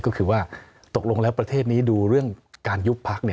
ก็คือว่าตกลงแล้วประเทศนี้ดูเรื่องการยุบพัก